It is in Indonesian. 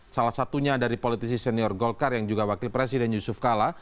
salah satunya dari politisi senior golkar yang juga wakil presiden yusuf kala